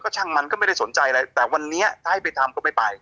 ช่างมันก็ไม่ได้สนใจอะไรแต่วันนี้ถ้าให้ไปทำก็ไม่ไป